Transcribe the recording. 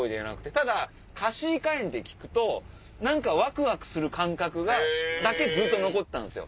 ただかしいかえんって聞くとワクワクする感覚だけずっと残ってたんですよ。